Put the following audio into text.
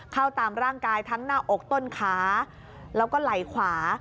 เข้าตามร่างกายทั้งหน้าอกต้นขาแล้วก็ไหล่ขวา